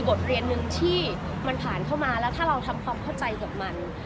บทเรียนหนึ่งที่มันผ่านเข้ามาแล้วถ้าเราทำความเข้าใจกับมัน